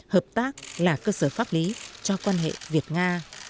hợp tác là cơ sở pháp lý cho quan hệ việt nga